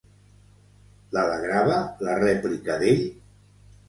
L'alegrava la rèplica d'ell?